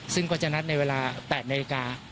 ซึ่งก็จะนัดในเวลา๘นาฬิกา